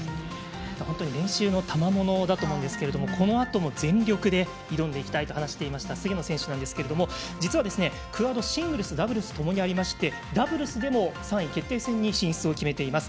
練習のたまものだと思うんですけどこのあとも全力で挑んでいきたいと話していました菅野選手ですが、実はクアードシングルスダブルスともにありましてダブルスも３位決定戦も決まっています。